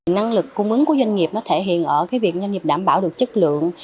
năng lực cung ứng của doanh nghiệp nó thể hiện ở việc doanh nghiệp đảm bảo được chất lượng